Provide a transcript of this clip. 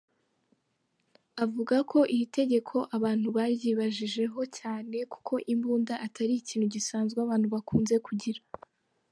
Avuga ko iri tegeko abantu baryibajijehocyane kuko imbunda atari ikintu gisanzwe abantu bakunze kugira.